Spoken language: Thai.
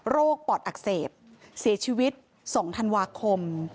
ปอดอักเสบเสียชีวิต๒ธันวาคม